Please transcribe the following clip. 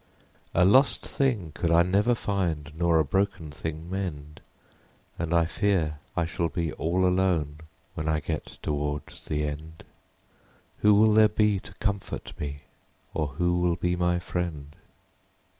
A lost thing could I never find, Nor a broken thing mend : And I fear I shall be all alone When I get towards the end. Who will there be to comfort me Or who will be my friend